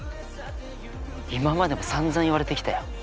今までもさんざん言われてきたよ。